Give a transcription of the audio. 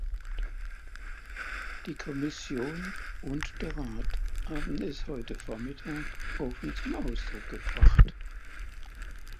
Die Kommission und der Rat haben es heute Vormittag offen zum Ausdruck gebracht.